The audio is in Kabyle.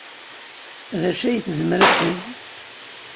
D acu ay tezmer ad teg?